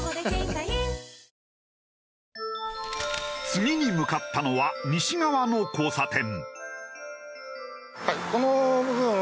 次に向かったのは西側の交差点。